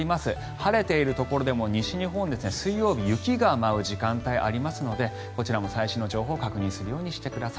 晴れているところでも西日本水曜日、雪が舞う時間帯がありますのでこちらも最新の情報を確認するようにしてください。